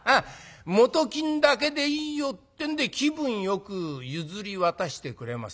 元金だけでいいよ」ってんで気分よく譲り渡してくれます。